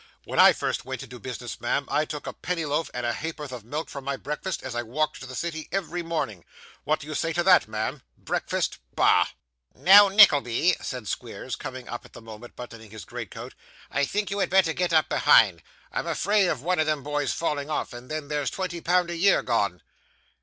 'When I first went to business, ma'am, I took a penny loaf and a ha'porth of milk for my breakfast as I walked to the city every morning; what do you say to that, ma'am? Breakfast! Bah!' 'Now, Nickleby,' said Squeers, coming up at the moment buttoning his greatcoat; 'I think you'd better get up behind. I'm afraid of one of them boys falling off and then there's twenty pound a year gone.